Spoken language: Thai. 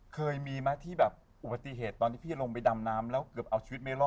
เคยมีไหมที่แบบอุบัติเหตุตอนที่พี่ลงไปดำน้ำแล้วเกือบเอาชีวิตไม่รอด